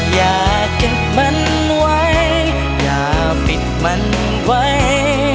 อย่าเก็บมันไว้อย่าปิดมันไว้